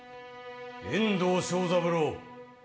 遠藤章三郎。